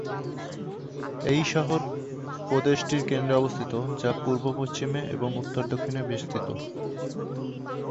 এই শহর প্রদেশটির কেন্দ্রে অবস্থিত যা পূর্ব-পশ্চিমে এবং উত্তর-দক্ষিণে বিস্তৃত।